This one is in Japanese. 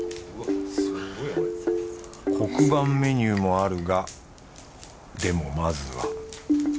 黒板メニューもあるがでもまずは